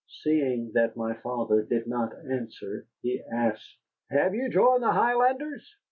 Seeing that my father did not answer, he asked: "Have you joined the Highlanders?